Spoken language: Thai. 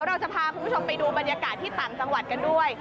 เราจะพาคุณผู้ชมไปดูบรรยากาศที่ต่างจังหวัดกันด้วย